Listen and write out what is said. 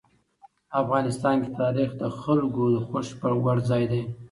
افغانستان کې تاریخ د خلکو د خوښې وړ ځای دی.